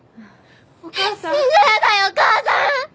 死んじゃ嫌だよお母さん！